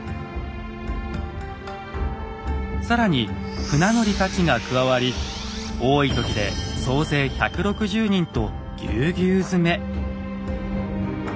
更に船乗りたちが加わり多いときで総勢１６０人とぎゅうぎゅう詰め。